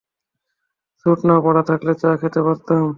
Sweet না পড়া থাকলে চা খেতে পারতাম।